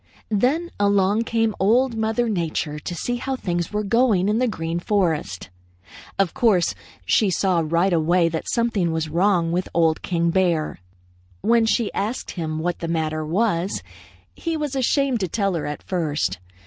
"Then along came Old Mother Nature to see how things were going in the Green Forest. Of course she saw right away that something was wrong with Old King Bear. When she asked him what the matter was, he was ashamed to tell her at first.